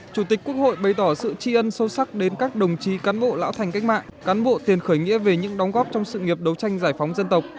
chủ tịch quốc hội bày tỏ sự tri ân sâu sắc đến các đồng chí cán bộ lão thành cách mạng cán bộ tiền khởi nghĩa về những đóng góp trong sự nghiệp đấu tranh giải phóng dân tộc